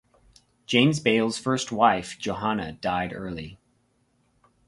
James Baillie's first wife Johanna died early.